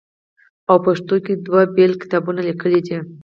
او پښتو کښې دوه بيل کتابونه ليکلي دي